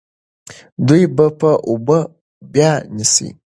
دوی به اوبه بیا نیسي.